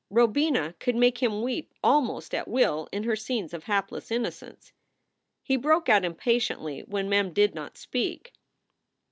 Robina could make him weep almost at will in her scenes of hapless innocence. He broke out impatiently when Mem did not speak.